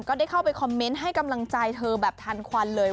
ได้เข้าไปคอมเมนต์ให้กำลังใจเธอแบบทันควันเลย